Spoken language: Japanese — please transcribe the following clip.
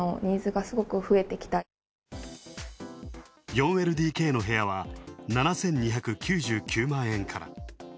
４ＬＤＫの部屋は７２９９万円から。